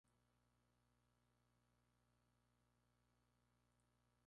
La marca se debe al acrónimo de las misma cooperativa.